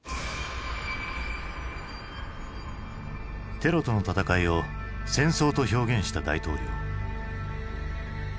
テロとの戦いを「戦争」と表現した大統領。